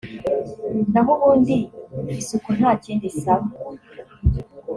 naho ubundi isuku nta kindi isaba